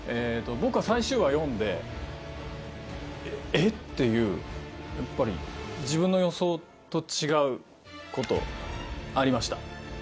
僕は最終話読んで「え？」っていうやっぱり自分の予想と違うことありました。